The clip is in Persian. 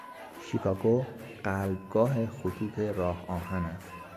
شیکاگو قلبگاه خطوط راه آهن است.